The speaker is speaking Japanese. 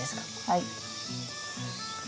はい。